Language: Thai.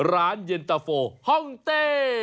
ร้านเย็นตะโฟห้องเต้